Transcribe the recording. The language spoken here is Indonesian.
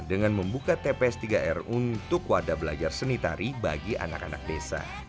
dengan membuka tps tiga r untuk wadah belajar seni tari bagi anak anak desa